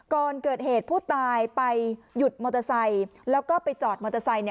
ก่อนเกิดเหตุผู้ตายไปหยุดมอเตอร์ไซค์แล้วก็ไปจอดมอเตอร์ไซค์